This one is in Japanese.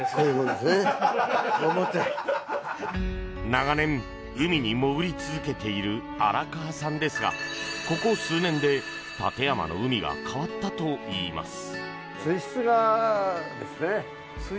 長年、海に潜り続けている荒川さんですがここ数年で館山の海が変わったといいます。